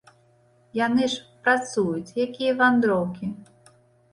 Яны ж працуюць, якія вандроўкі!